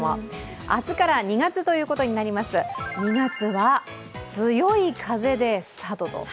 明日から２月ということになります２月は強い風でスタートと。